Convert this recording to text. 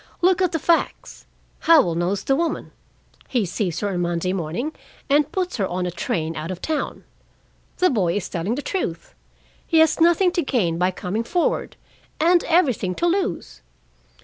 Look at the facts! Howell knows the woman: he sees her on Monday morning, and puts her on a train out of town. The boy is telling the truth. He has nothing to gain by coming forward, and everything to lose.